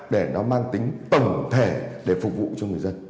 để nó mang tính tổng thể để phục vụ cho người dân